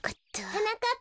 はなかっ